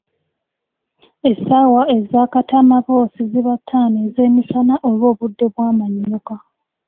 Essaawa eza katamaboosi ziba ttaano ez’emisana oba obudde bw’amannyuka.